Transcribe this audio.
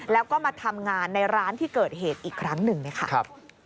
แล้วก็มาทำงานในร้านที่เกิดเหตุอีกครั้งหนึ่งนะครับ